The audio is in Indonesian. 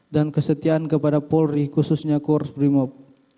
dan kesetiaan kepada polri khususnya kurs primob